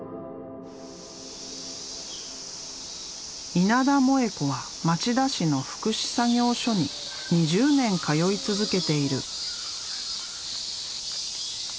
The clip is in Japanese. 稲田萌子は町田市の福祉作業所に２０年通い続けている。